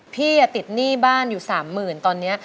พี่ติดหนี้บ้านอยู่๓๐๐๐ตอนนี้